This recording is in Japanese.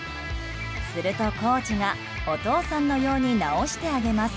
するとコーチがお父さんのように直してあげます。